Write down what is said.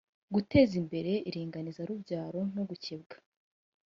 guteza imbere iringaniza rubyaro no gukebwa